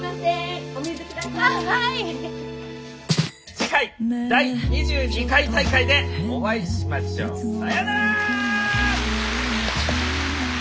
「次回第２２回大会でお会いしましょう！さようなら！」。